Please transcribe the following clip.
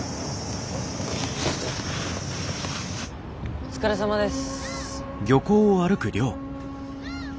お疲れさまです。